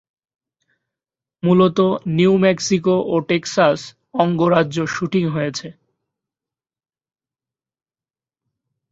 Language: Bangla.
মূলত নিউ মেক্সিকো ও টেক্সাস অঙ্গরাজ্য শুটিং হয়েছে।